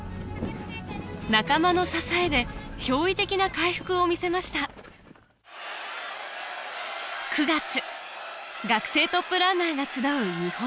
仲間の支えで驚異的な回復を見せました９月学生トップランナーが集う日本